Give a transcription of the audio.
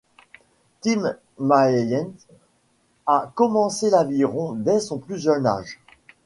Tim Maeyens a commencé l'aviron dès son plus jeune âge.